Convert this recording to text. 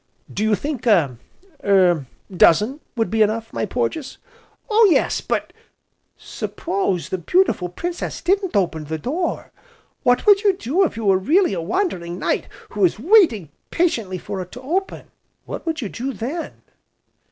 "Do you think a er dozen would be enough, my Porges?" "Oh yes! But s'pose the beautiful Princess didn't open the door, what would you do if you were really a wandering knight who was waiting patiently for it to open, what would you do then?"